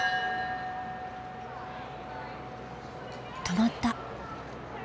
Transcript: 止まった。